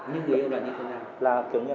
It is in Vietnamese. nhưng người yêu là như thế nào